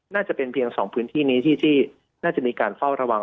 น่าจะเป็นเพียง๒พื้นที่นี้ที่น่าจะมีการเฝ้าระวัง